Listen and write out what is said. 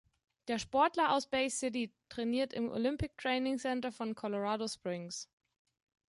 Der Sportler aus Bay City trainiert im Olympic Training Center von Colorado Springs.